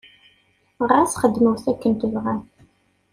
Ɣas xedmet akken tebɣam.